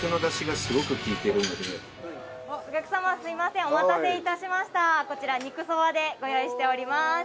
お客様すいませんお待たせいたしましたこちら肉そばでご用意しております